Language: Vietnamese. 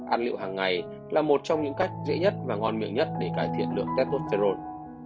ăn rượu hàng ngày là một trong những cách dễ nhất và ngon miệng nhất để cải thiện lượng tetosterone